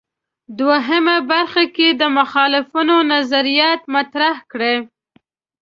دوهمه برخه کې د مخالفانو نظریات مطرح کړي.